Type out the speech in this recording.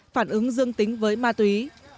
phản ứng dương tính với ma túy